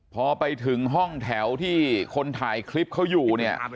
พอไปถึงห้องแถวที่คนถ่ายคลิปเขาอยู่เนี่ย